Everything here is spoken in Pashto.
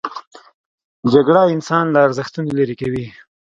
جګړه انسان له ارزښتونو لیرې کوي